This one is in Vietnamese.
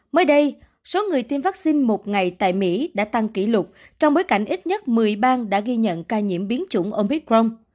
mới đây số người tiêm vaccine một ngày tại mỹ đã tăng kỷ lục trong bối cảnh ít nhất một mươi bang đã ghi nhận ca nhiễm biến chủng ompicron